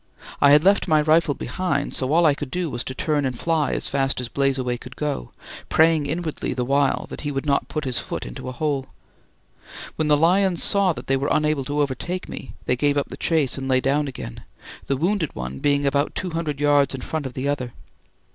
I had left my rifle behind, so all I could do was to turn and fly as fast as "Blazeaway" could go, praying inwardly the while that he would not put his foot into a hole. When the lions saw that they were unable to overtake me, they gave up the chase and lay down again, the wounded one being about two hundred yards in front of the other.